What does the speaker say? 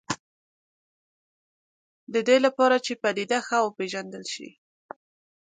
د دې لپاره چې پدیده ښه وپېژندل شي.